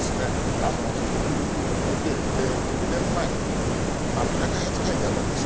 あの屈辱を受けて２年前アフリカ開発会議あったんですよ